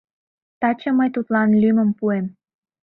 Таче мый тудлан лӱмым пуэм.